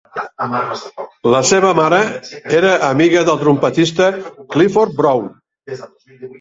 La seva mare era amiga del trompetista Clifford Brown.